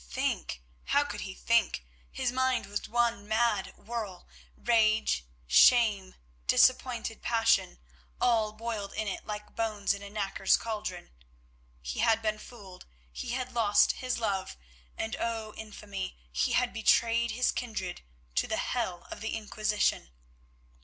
Think! How could he think? His mind was one mad whirl; rage, shame, disappointed passion, all boiled in it like bones in a knacker's cauldron. He had been fooled, he had lost his love, and, oh! infamy, he had betrayed his kindred to the hell of the Inquisition.